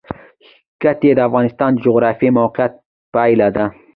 ښتې د افغانستان د جغرافیایي موقیعت پایله ده.